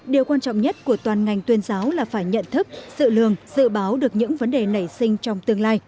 điều quan trọng nhất của toàn ngành tuyên giáo là phải nhận thức dự lường dự báo được những vấn đề nảy sinh trong tương lai